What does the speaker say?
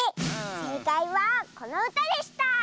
せいかいはこのうたでした！